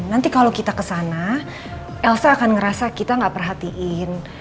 nanti kalau kita ke sana elsa akan ngerasa kita gak perhatiin